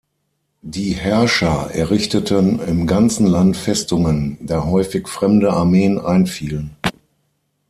Die Herrscher errichteten im ganzen Land Festungen, da häufig fremde Armeen einfielen.